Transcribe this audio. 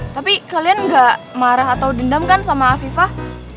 tapi kalian gak marah atau dendam kan sama afifah